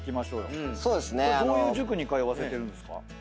どういう塾通わせてるんですか？